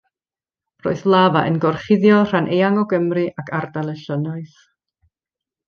Roedd lafa yn gorchuddio rhan eang o Gymru ac Ardal y Llynnoedd.